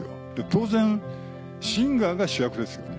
当然シンガーが主役ですよね。